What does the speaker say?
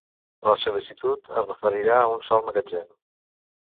La sol·licitud es referirà a un sol magatzem.